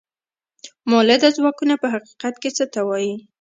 مؤلده ځواکونه په حقیقت کې څه ته وايي؟